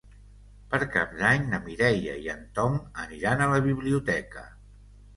Per Cap d'Any na Mireia i en Tom aniran a la biblioteca.